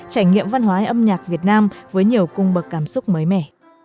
trải nghiệm văn hóa âm nhạc việt nam với nhiều cung bậc cảm xúc mới mẻ